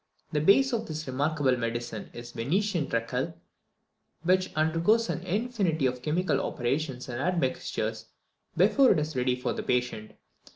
The base of this remarkable medicine is Venetian treacle, which undergoes an infinity of chemical operations and admixtures before it is ready for the patient.